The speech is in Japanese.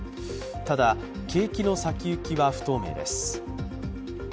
ただ、景気の先行きは不透明です。